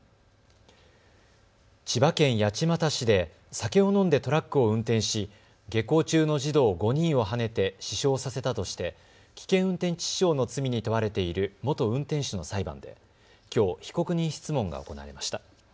千葉県八街市で酒を飲んでトラックを運転し下校中の児童５人をはねて死傷させたとして危険運転致死傷の罪に問われている元運転手の裁判できょう被告人質問が行われました。